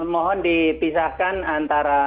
mohon dipisahkan antara